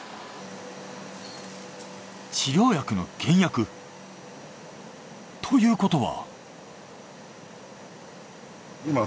治療薬の原薬ということは？